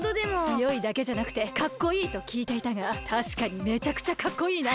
つよいだけじゃなくてかっこいいときいていたがたしかにめちゃくちゃかっこいいな。